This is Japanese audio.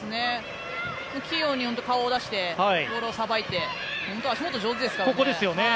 器用に顔を出してボールをさばいて足元、上手ですからね。